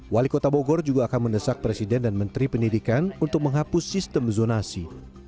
wali kota bogor juga akan mendesak presiden dan menteri pendidikan untuk menghapus sistem zonasi